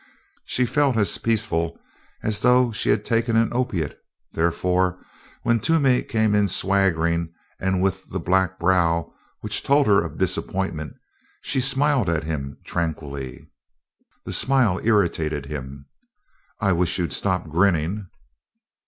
She felt as peaceful as though she had taken an opiate, therefore, when Toomey came in swaggering and with the black brow which told her of disappointment, she smiled at him tranquilly. The smile irritated him. "I wish you'd stop grinning."